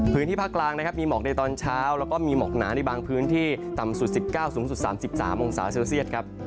พื้นที่ภาคกลางนะครับมีหมอกในตอนเช้าแล้วก็มีหมอกหนาในบางพื้นที่ต่ำสุด๑๙สูงสุด๓๓องศาเซลเซียตครับ